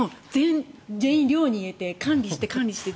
全員、寮に入れて管理して、管理して。